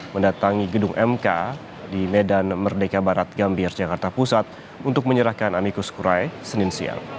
mendatangi gedung mk di medan merdeka barat gambir jakarta pusat untuk menyerahkan amikus kurai senin siang